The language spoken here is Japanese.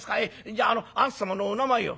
じゃああなた様のお名前を」。